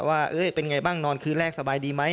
ว่าเป็นไงบ้างนอนคืนแรกสบายดีไหม